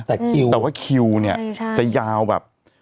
แต่คิวแต่ว่าคิวจะยาวแบบ